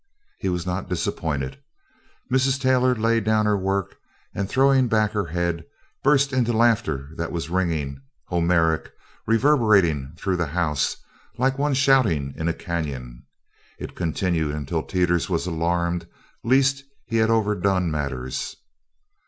He was not disappointed. Mrs. Taylor laid down her work and, throwing back her head, burst into laughter that was ringing, Homeric, reverberating through the house like some one shouting in a canyon. It continued until Teeters was alarmed lest he had overdone matters.